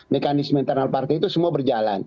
mekanisme internal partai itu semua berjalan